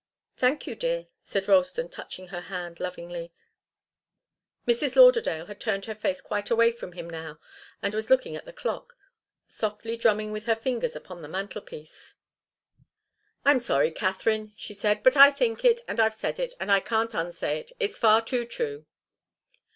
"Thank you, dear," said Ralston, touching her hand lovingly. Mrs. Lauderdale had turned her face quite away from him now and was looking at the clock, softly drumming with her fingers upon the mantelpiece. "I'm sorry, Katharine," she said. "But I think it, and I've said it and I can't unsay it. It's far too true."